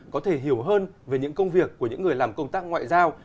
có thể hiểu hơn về những công việc của những người làm công tác ngoại giao